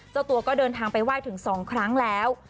เจ้าตัวก็เดินทางไปไหว้ถึง๒ครั้งแล้ว